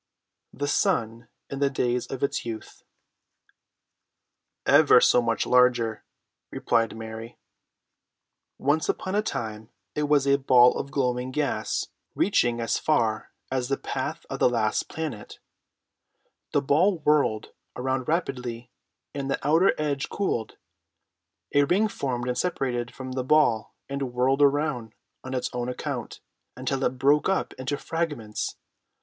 THE SUN IN THE DAYS OF ITS YOUTH. "Ever so much larger," replied Mary. [Illustration: THE SUN AND PLANETS FORMING OUT OF STAR MIST.] "Once upon a time it was a ball of glowing gas reaching as far as the path of the last planet. The ball whirled around rapidly and the outer edge cooled. A ring formed and separated from the ball and whirled around on its own account, until it broke up into fragments.